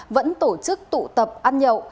vẫn tổ chức tụ tập ăn nhậu